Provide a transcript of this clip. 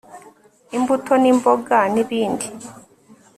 imbuto ni mboga nibindi